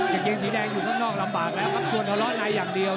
กางเกงสีแดงอยู่ข้างนอกลำบากแล้วครับชวนทะเลาะในอย่างเดียว